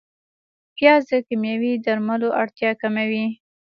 پیاز د کیمیاوي درملو اړتیا کموي